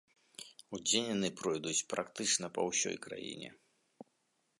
Удзень яны пройдуць практычна па ўсёй краіне.